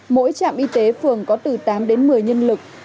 mỗi trạm y tế phường có từ tám đến một mươi nhân lực